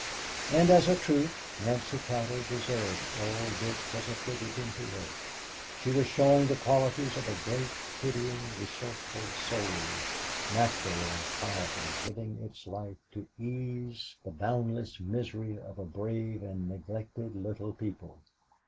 And as a truth, Nancy Cowder deserved all Dick was attributing to her. She was showing the qualities of a great, pitying, resourceful soul, naturally and quietly giving its life to ease the boundless misery of a brave and neglected little people.